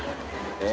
え。